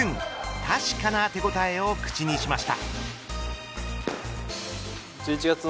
確かな手応えを口にしました。